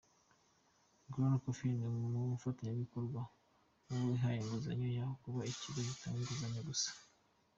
GroFin ni umufatanyabikorwa w’uwo ihaye inguzanyo, aho kuba ikigo gitanga inguzanyo gusa.